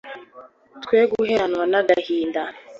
tweguheranwa n’agahinda